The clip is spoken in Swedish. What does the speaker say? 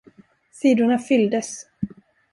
Sidorna fylldes.